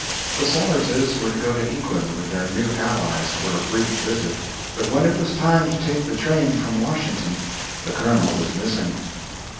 p270.jpg (39K) The Sellerses were to go to England with their new allies for a brief visit, but when it was time to take the train from Washington, the colonel was missing.